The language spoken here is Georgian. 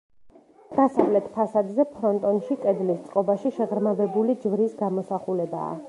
დასავლეთ ფასადზე, ფრონტონში, კედლის წყობაში შეღრმავებული ჯვრის გამოსახულებაა.